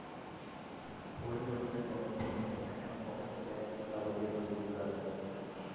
গৌরীপ্রসন্ন একটু অন্যমনস্ক, একসময় পকেট থেকে একচিলতে কাগজ বের করে লিখতে লাগলেন।